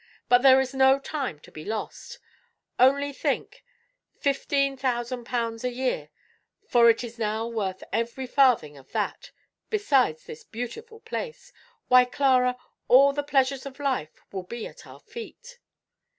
But there is no time to be lost. Only think, 15,000*l.* a year, for it is now worth every farthing of that, besides this beautiful place. Why, Clara, all the pleasures of life will be at our feet!"